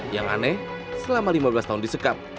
yang aneh selama lima belas tahun disekap